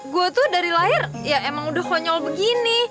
gue tuh dari lahir ya emang udah konyol begini